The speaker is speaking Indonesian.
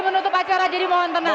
menutup acara jadi mohon tenang